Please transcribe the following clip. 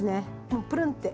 もうプルンッて。